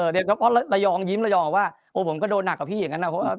เรายองว่าผมก็โดนหนักกว่าพี่ที่แบบนั้น